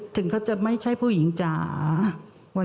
ถึงเขาจะไม่ใช่ผู้หญิงจ๋า